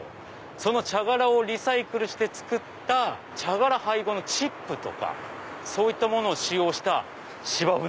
その茶殻をリサイクルして作った茶殻配合のチップとかそういったものを使用した芝生。